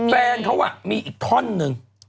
แฟนเขามีอีกท่อนนึง